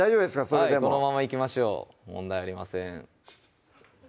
それでもはいこのままいきましょう問題ありません